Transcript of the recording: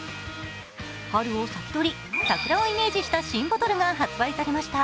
春を先取り、桜をイメージした新ボトルが発売されました。